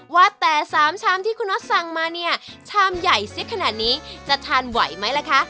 ว่าแต่๓ชามที่คุณน็อตสั่งมาเนี่ยชามใหญ่ซิดขนาดนี้จะทานไหวไหมล่ะคะ